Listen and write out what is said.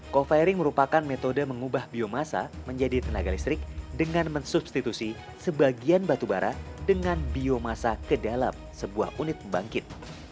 co firing merupakan metode mengubah biomasa menjadi tenaga listrik dengan mensubstitusi sebagian batubara dengan biomasa ke dalam sebuah unit pembangkit